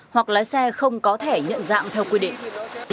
hoặc lái xe không có thẻ nhận dạng theo quy định